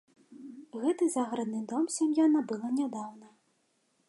Гэты загарадны дом сям'я набыла нядаўна.